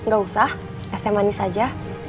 gak usah sete manis aja